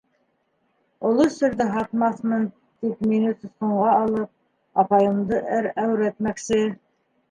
Оло серҙе һатмаҫмын, тип мине тотҡонға алып, апайымды әүрәтмәксе.